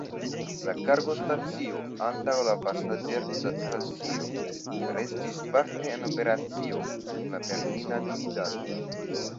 La kargostacio antaŭ la pasaĝerstacio restis parte en operacio dum la Berlina dividado.